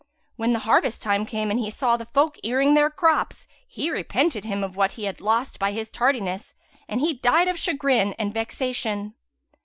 When harvest time came and he saw the folk earing their crops, he repented him of what he had lost by his tardiness and he died of chagrin and vexation."